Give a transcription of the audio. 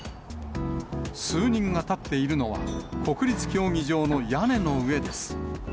数人が立っているのは、国立競技場の屋根の上です。